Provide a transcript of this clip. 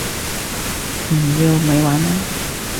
唔要！咪玩啦